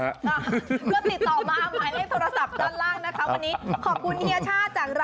เพื่อติดต่อมาหมายให้โทรศัพท์ด้านล่างนะครับ